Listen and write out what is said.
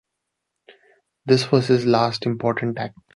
This was his last important act.